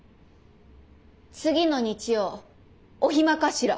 次の日曜お暇かしら？